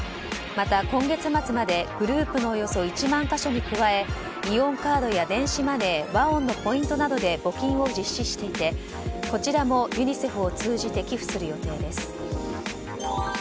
また今月末まで、グループのおよそ１万か所に加えイオンカードや電子マネーＷＡＯＮのポイントなどで募金を実施していてこちらもユニセフを通じて寄付する予定です。